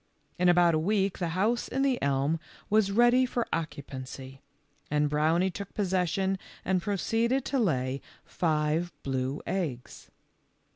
In about a week the house in the elm was ready for occupancy, and Brownie took possession and proceeded to lay five blue eggs.